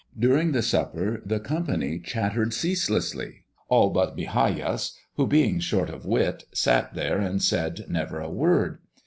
During the supper the company chattered ceaselessly, all but Migajas, who, being short of wit, sat there and said never a word.